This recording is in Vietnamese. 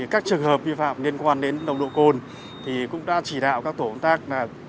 các trường hợp vi phạm liên quan đến nồng độ cồn cũng đã chỉ đạo các tổ công tác